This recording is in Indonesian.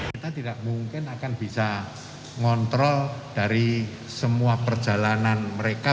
kita tidak mungkin akan bisa ngontrol dari semua perjalanan mereka